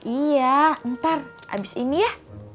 iya ntar abis ini ya